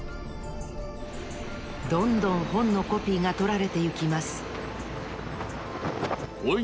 どんどんほんのコピーがとられていきますほい。